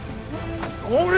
乗れ！